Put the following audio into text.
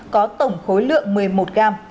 có tổng khối lượng một mươi một gram